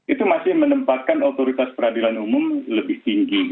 itu masih menempatkan otoritas peradilan umum lebih tinggi